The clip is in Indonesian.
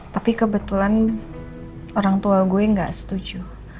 tapi kebetulan orang tua gue gak setuju